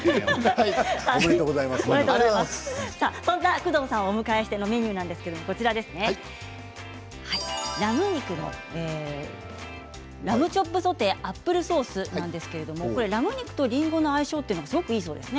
工藤さんをお迎えしてのメニューはラムチョップソテーアップルソースなんですけれどラム肉とりんごの相性はすごくいいそうですね。